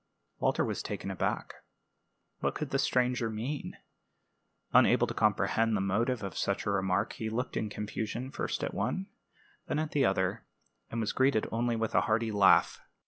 Walter was taken aback. What could the stranger mean? Unable to comprehend the motive of such a remark, he looked in confusion first at one, then at the other, and was greeted only with a hearty laugh.